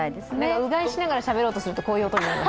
うがいしながらしゃべろうとするとこういう声になります。